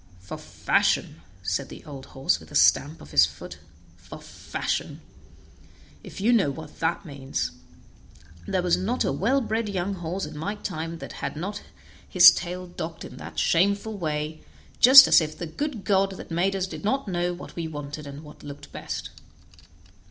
"For fashion!" said the old horse with a stamp of his foot; "for fashion! if you know what that means; there was not a well bred young horse in my time that had not his tail docked in that shameful way, just as if the good God that made us did not know what we wanted and what looked best."